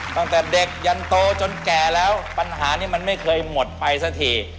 ตั้งแต่เด็กยันโตจนแก่แล้วปัญหานี้มันไม่เคยหมดไปสักที